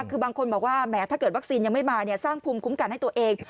คือบางคนบอกว่าแหมถ้าเกิดวัคซีนยังไม่มาสร้างภูมิคุ้มกันให้ตัวเอง